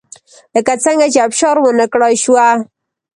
لکه څنګه چې ابشار ونه کړای شوه